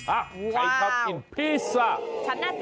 อ่ะใครชอบกินพิซซ่า